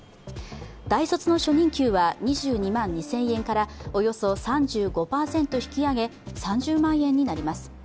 大卒の初任給は２２万２０００円からおよそ３５％引き上げ３０万円になります。